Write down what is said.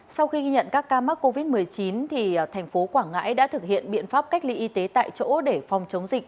sau khi ghi nhận các ca mắc covid một mươi chín thành phố quảng ngãi đã thực hiện biện pháp cách ly y tế tại chỗ để phòng chống dịch